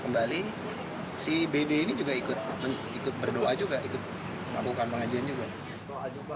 kembali si bd ini juga ikut ikut berdoa juga ikut melakukan pengajian juga